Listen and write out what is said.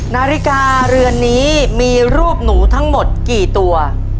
นาฬิกาเรือนนี้มีรูปหนูทั้งหมดกี่ตัว